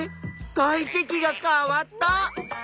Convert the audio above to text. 体積が変わった！